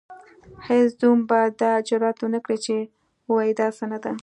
هیڅ زوم به دا جرئت ونکړي چې ووايي داسې نه ده.